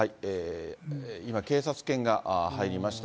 今、警察犬が入りました。